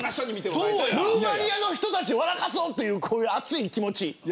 ルーマニアの人たち笑かそうという熱い気持ちは。